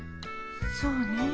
そうねえ。